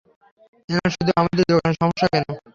এনার শুধু আমাদের দোকানে সমস্যা কেনো?